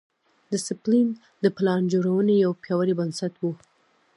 ګوسپلن د پلان جوړونې یو پیاوړی بنسټ و